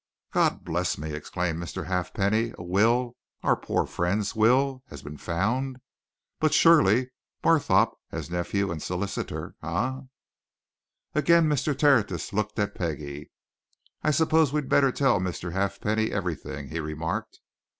"God bless me!" exclaimed Mr. Halfpenny. "A will our poor friend's will has been found! But surely, Barthorpe, as nephew, and solicitor eh?" Again Mr. Tertius looked at Peggie. "I suppose we'd better tell Mr. Halfpenny everything," he remarked.